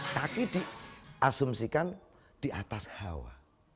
kaki diasumsikan di atas hawa